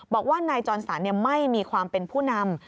บอกว่านายจรสันไม่มีความเป็นผู้นำ